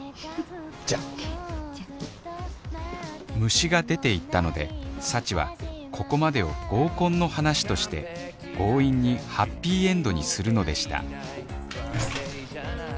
虫が出て行ったので幸はここまでを合コンの話として強引にハッピーエンドにするのでした